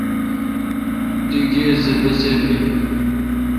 تی گاے سہ بسیر°این۔